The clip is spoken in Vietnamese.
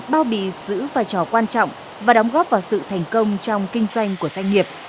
bao bì giữ vai trò quan trọng và đóng góp vào sự thành công trong kinh doanh của doanh nghiệp